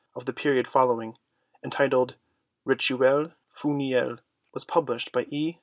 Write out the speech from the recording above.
of the period following, entitled Rituel Funeraire, was published by E.